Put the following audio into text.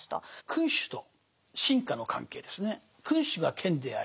君主と臣下の関係ですね。